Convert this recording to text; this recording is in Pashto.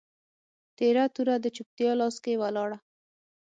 تیره توره د چوپتیا لاس کي ولاړه